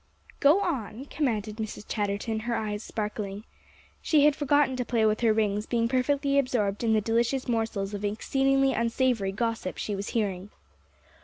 "Go on," commanded Mrs. Chatterton, her eyes sparkling. She had forgotten to play with her rings, being perfectly absorbed in the delicious morsels of exceedingly unsavory gossip she was hearing.